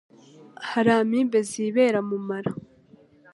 Hari Amibe zibera mu mara